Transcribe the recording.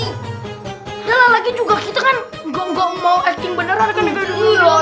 udah lah lagi juga kita kan gak mau acting beneran kan ya